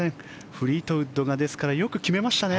フリートウッドがですからよく決めましたね